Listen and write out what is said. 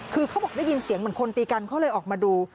คือเขาบอกได้ยินเสียงเหมือนคนตีกันเขาเลยออกมาดู